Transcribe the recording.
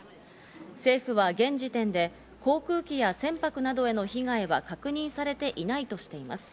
政府は現時点で航空機や船舶などへの被害は確認されていないとしています。